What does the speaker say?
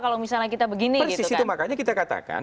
kalau misalnya kita begini persis itu makanya kita katakan